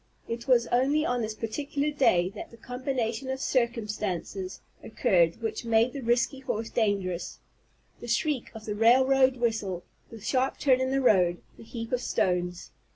It was only on this particular day that the combination of circumstances occurred which made the risky horse dangerous, the shriek of the railroad whistle, the sharp turn in the road, the heap of stones.